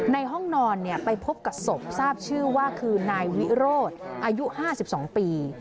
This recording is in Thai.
ในห้องนอนไปพบกับศพทราบชื่อว่าคือนายวิโรธอายุ๕๒ปี